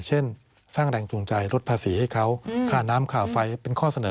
เช่นสร้างแรงจูงใจลดภาษีให้เขาค่าน้ำค่าไฟเป็นข้อเสนอ